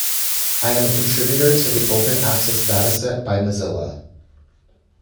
I am a contributor to the open access dataset by Mozilla.